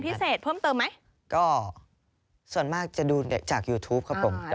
พิเศษเพิ่มเติมไหมก็ส่วนมากจะดูจากยูทูปครับผม